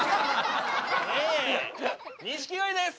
錦鯉です。